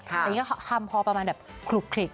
แต่มันนี้ก็ทำเพราะประมาณแบบขลบ